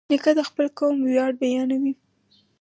نیکه د خپل قوم ویاړ بیانوي.